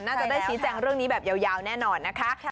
น่าจะได้ชี้แจงเรื่องนี้แบบยาวแน่นอนนะคะ